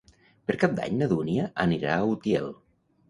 Per Cap d'Any na Dúnia anirà a Utiel.